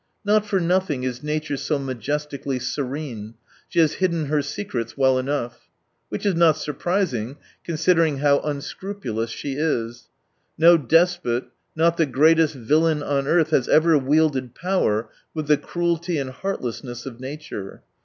Not for nothing is nature so majestically serene : she has hidden her secrets well enough. Which is not surprising, consid ering how unscrupulous she is. No despot, not the greatest villain on earth, has ever wielded power with the cruelty and heart lessness of nature.